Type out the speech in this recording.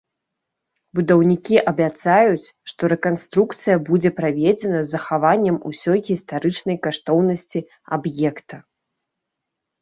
Будаўнікі абяцаюць, што рэканструкцыя будзе праведзена з захаваннем ўсёй гістарычнай каштоўнасці аб'екта.